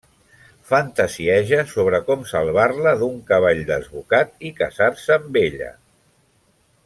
Fantasieja sobre com salvar-la d'un cavall desbocat i casar-se amb ella.